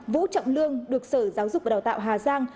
vũ trọng lương được sở giáo dục và đào tạo hà giang